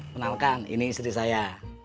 kenalkan ini istri saya